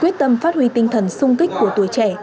quyết tâm phát huy tinh thần sung kích của tuổi trẻ